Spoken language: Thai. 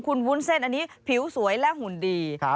คุณวุ้นเส้นอันนี้ผิวสวยและหุ่นดี